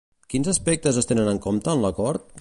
Quins aspectes es tenen en compte en l'acord?